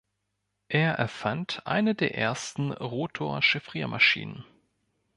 Er erfand eine der ersten Rotor-Chiffriermaschinen.